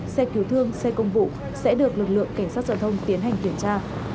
xe cứu thương xe công vụ sẽ được lực lượng cảnh sát giao thông tiến hành kiểm tra